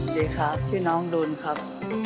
สวัสดีครับชื่อน้องดุลครับ